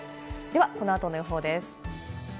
このあとの予報です。